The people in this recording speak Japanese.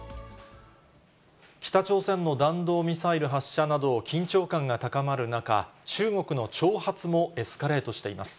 北朝鮮の弾道ミサイル発射など、緊張感が高まる中、中国の挑発もエスカレートしています。